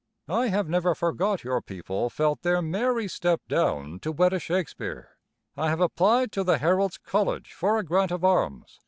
I have never forgot your people felt their Mary stepped down to wed a Shakespeare. I have applied to the Herald's College for a grant of arms.